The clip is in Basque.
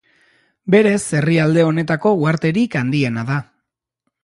Berez, herrialde honetako uharterik handiena da.